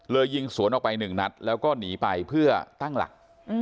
ยิงสวนออกไปหนึ่งนัดแล้วก็หนีไปเพื่อตั้งหลัก